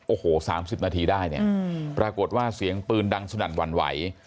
โอ้โห๓๐นาทีได้เนี่ยปรากฏว่าเสียงปืนดังสนั่นหวั่นไหว